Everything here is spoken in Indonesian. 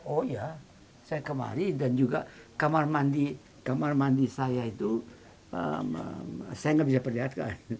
oh ya saya kemarin dan juga kamar mandi saya itu saya nggak bisa perlihatkan